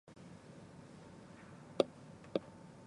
海は黒くて、空も黒かった。どこまで行けば、終着点なのか全くわからなかった。